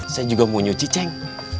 saya juga mau nyuci ceng